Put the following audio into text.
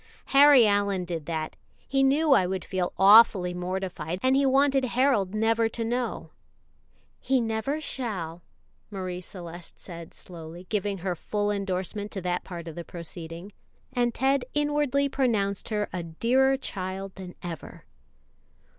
"Harry Allyn did that. He knew I would feel awfully mortified, and he wanted Harold never to know." "He never shall," Marie Celeste said slowly, giving her full endorsement to that part of the proceeding, and Ted inwardly pronounced her a dearer child than ever.